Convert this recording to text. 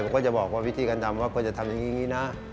ก็จะบอกว่าวิธีการทำว่าก็จะทำอย่างนี้นะ